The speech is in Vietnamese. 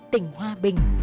tỉnh hoa bình